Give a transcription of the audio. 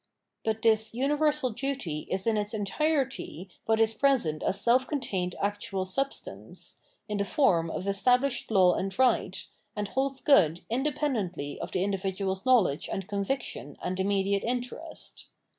But this universal duty is in its entirety what is present as self contained actual sub stance, in the form of [established] law and right, and holds good independently of the individuars knowledge and conviction and immediate interest.